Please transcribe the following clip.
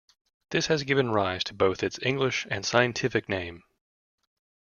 This has given rise to both its English and scientific name.